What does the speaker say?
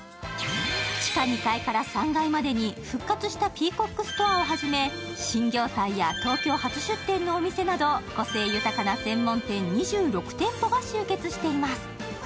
地下２階から３階までに復活したピーコックストアをはじめ新業態や東京初出店のお店など個性豊かな専門店２６店舗が集結しています。